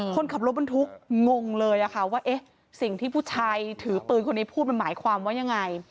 คนขับรถบรรทุกงงเลยค่ะว่าเอ๊ะสิ่งที่ผู้ชายถือปืนคนนี้พูดมันหมายความว่ายังไง